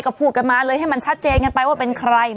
ก็พูดกันมาเลยให้มันชัดเจนกันไปว่าเป็นใคร